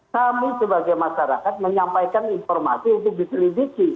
kami sebagai masyarakat menyampaikan informasi untuk diselidiki